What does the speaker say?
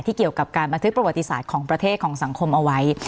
เกี่ยวกับการบันทึกประวัติศาสตร์ของประเทศของสังคมเอาไว้